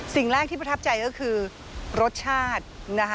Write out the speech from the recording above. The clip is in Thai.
สิ่งแรกที่ประทับใจก็คือรสชาตินะคะ